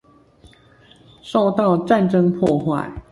受到戰爭破壞